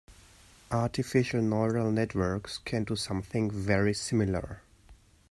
Artificial neural networks can do something very similar.